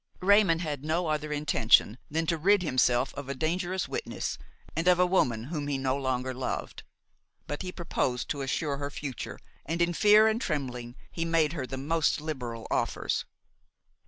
Raymon had no other intention than to rid himself of a dangerous witness and of a woman whom he no longer loved. But he proposed to assure her future, and in fear and trembling he made her the most liberal offers.